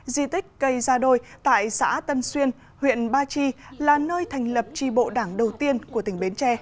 di tích cây gia đôi tại xã tân xuyên huyện ba chi là nơi thành lập tri bộ đảng đầu tiên của tỉnh bến tre